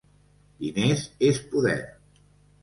'Diners és poder'.